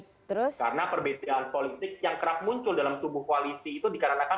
karena perbedaan politik yang kerap muncul dalam tubuh koalisi itu dikira kira